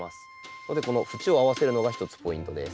それでこの縁を合わせるのが一つポイントです。